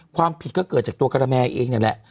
ความผิดก็เกิดจากตัวกระแมเองนี่แหละ